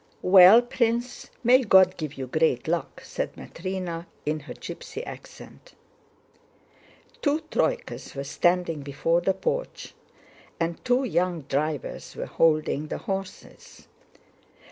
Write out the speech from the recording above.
"Well, Prince, may God give you great luck!" said Matrëna in her gypsy accent. Two troykas were standing before the porch and two young drivers were holding the horses.